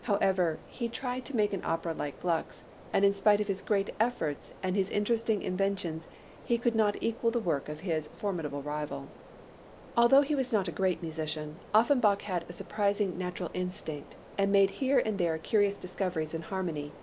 However, he tried to make an opera like Gluck's and in spite of his great efforts and his interesting inventions, he could not equal the work of his formidable rival. Although he was not a great musician, Offenbach had a surprising natural instinct and made here and there curious discoveries in harmony.